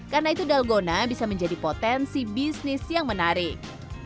karena itu dalgona bisa menjadi potensi bisnis yang menarik